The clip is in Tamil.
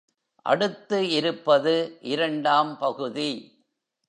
அடுத்து இருப்பது இரண்டாம் பகுதி.